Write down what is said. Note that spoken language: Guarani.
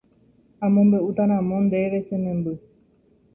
amombe'útaramo ndéve che memby